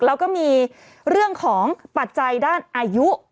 แล้วก็มีเรื่องของปัจจัยด้านอายุ